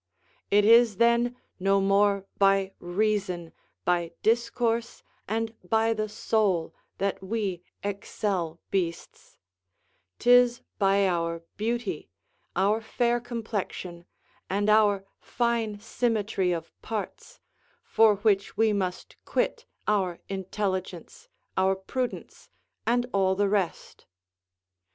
It is then no more by reason, by discourse, and by the soul, that we excel beasts; 'tis by our beauty, our fair complexion, and our fine symmetry of parts, for which we must quit our intelligence, our prudence, and all the rest.